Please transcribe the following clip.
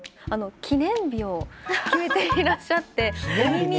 記念日を決めていらっしゃって。